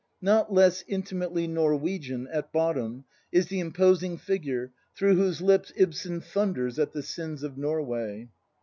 Not less intimately Norwegian, at bottom, is the im posing figure through whose lips Ibsen thunders at the sins of Norway.